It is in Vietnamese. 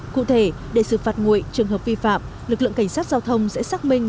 cụ thể để xử phạt nguội trường hợp vi phạm lực lượng cảnh sát giao thông sẽ xác minh